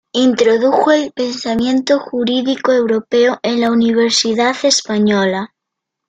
Introdujo el pensamiento jurídico europeo en la universidad española.